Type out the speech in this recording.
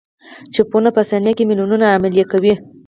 چپونه په ثانیه کې میلیونونه عملیې کوي.